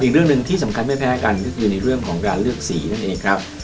อีกเรื่องหนึ่งที่สำคัญไม่แพ้กันก็คือในเรื่องของการเลือกสีนั่นเองครับ